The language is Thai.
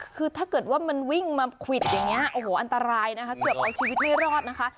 คือถ้าเกิดว่ามันวิ่งมาควิดอย่างนี้โอ้โหอันตรายนะคะเกือบเอาชีวิตไม่รอดนะคะ